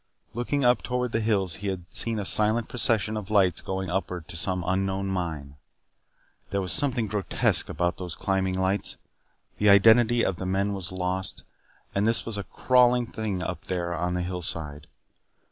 Looking up toward the hills he had seen a silent procession of lights going upward to some unknown mine. There was something grotesque about those climbing lights; the identity of the men was lost, and this was a crawling thing up there on the hillside.